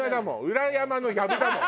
裏山のやぶだもん